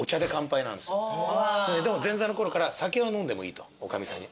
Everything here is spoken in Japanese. でも前座のころから酒は飲んでもいいとおかみさんに。